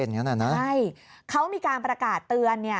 ใช่เขามีการประกาศเตือนเนี่ย